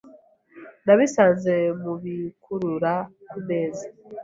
Nabisanze mubikurura kumeza.